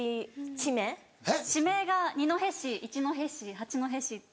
地名が二戸市一戸市八戸市って。